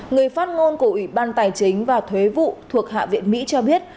người phát ngôn của ủy ban tài chính và thuế vụ thuộc hạ viện mỹ cho biết